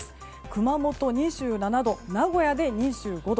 熊本、２７度名古屋で２５度。